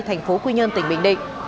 thành phố quy nhơn tỉnh bình định